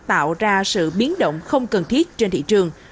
tạo ra sự biến động không cần thiết trên thị trường